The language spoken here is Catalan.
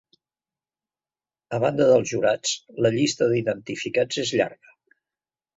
A banda dels jurats, la llista d'identificats és llarga.